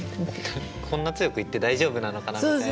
こんな強く言って大丈夫なのかなとか。